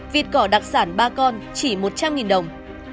vịt cỏ đặc sản ba con chỉ một trăm linh đồng